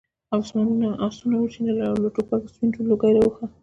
آسونه وشڼېدل او له ټوپکو سپین لوګی راووت.